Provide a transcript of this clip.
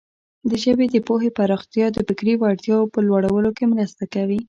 د ژبې د پوهې پراختیا د فکري وړتیاوو په لوړولو کې مرسته کوي.